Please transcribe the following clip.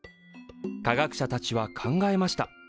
科学者たちは考えました。